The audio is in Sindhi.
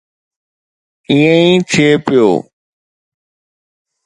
ائين ئي ٿئي پيو.